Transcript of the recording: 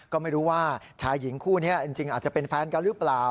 ก็ไม่รู้ว่าชายหญิงคู่นี้จริงอาจจะเป็นแฟนกันหรือเปล่า